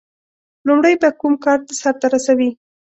• لومړی به کوم کار سر ته رسوي؟